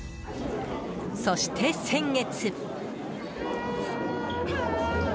そして、先月。